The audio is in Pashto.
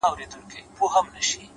سترگه وره انجلۍ بيا راته راگوري;